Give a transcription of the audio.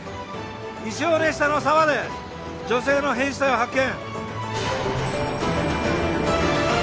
石尾根下の沢で女性の変死体を発見。